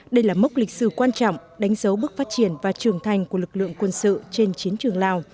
đây là mốc lịch sử quan trọng đánh dấu bước phát triển và trưởng thành của lực lượng quân sự trên chiến trường lào